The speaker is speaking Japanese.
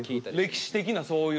歴史的なそういう。